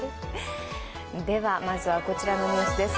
ではまずはこちらのニュースです。